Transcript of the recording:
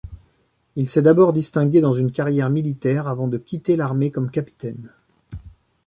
Il s'est d'abord distingué dans une carrière militaire, avant de quitter l'armée comme capitaine.